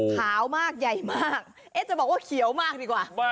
ขาวมากใหญ่มากจะบอกว่าเขียวมากดีกว่า